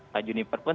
pak juniper pun